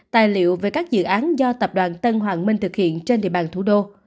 tài liệu về các dự án do tập đoàn tân hoàng minh thực hiện trên địa bàn thủ đô